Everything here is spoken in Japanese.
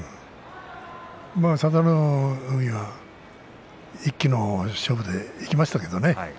佐田の海は一気の勝負でいきましたけどね。